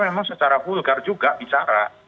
memang secara vulgar juga bicara